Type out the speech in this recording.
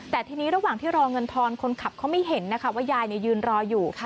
แต่ทีนี้ระหว่างที่รอเงินทอนคนขับเขาไม่เห็นนะคะว่ายายยืนรออยู่